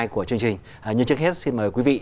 của chương trình nhưng trước hết xin mời quý vị